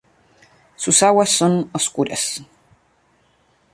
Sus aguas son oscuras.